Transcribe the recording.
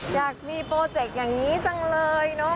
อยากมีโปรเจกต์อย่างนี้จังเลยเนอะ